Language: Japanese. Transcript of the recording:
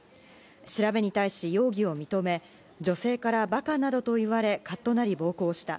調べに対し容疑を認め、女性からばかなどといわれ、かっとなり暴行した。